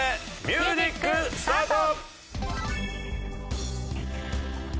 ミュージックスタート！